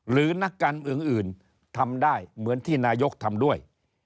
นักการเมืองอื่นทำได้เหมือนที่นายกทำด้วย